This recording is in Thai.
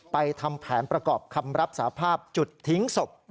ทำแผนประกอบคำรับสาภาพจุดทิ้งศพ